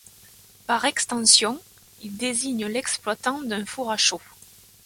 Par extension, il désigne l'exploitant d'un four à chaux.